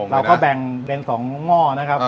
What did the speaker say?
เราก็แบ่งเป็น๒หม้อนะครับ